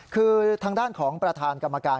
คือทางด้านของประธานกรรมการ